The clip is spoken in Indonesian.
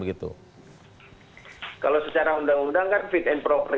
kalau secara undang undang kan fit and proper